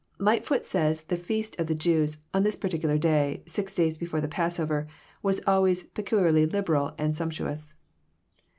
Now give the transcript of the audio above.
Lightfoot says the feast of the Jews, on this particular day, six days before the passover, was always peculiarly liberal and sumptuous.